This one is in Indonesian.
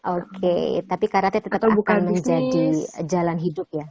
oke tapi karate tetep akan menjadi jalan hidup ya